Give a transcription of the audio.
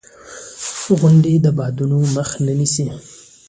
• غونډۍ د بادونو مخه نیسي.